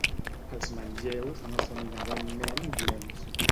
Els manlleus no són inherentment dolents.